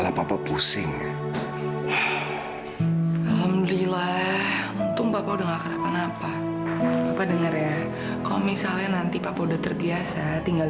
sampai jumpa di video selanjutnya